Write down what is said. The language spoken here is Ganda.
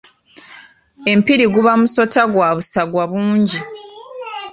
Empiri guba musota gwa busagwa bungi.